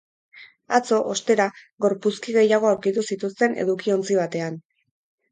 Atzo, ostera, gorpuzki gehiago aurkitu zituzten edukiontzi batean.